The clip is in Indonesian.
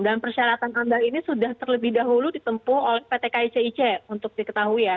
dan persyaratan amdal ini sudah terlebih dahulu ditempuh oleh pt kcic untuk diketahui ya